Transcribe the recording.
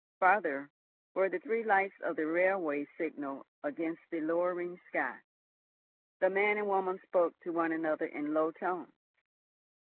Farther were the three lights of the railway signal against the lowering sky. The man and woman spoke to one another in low tones.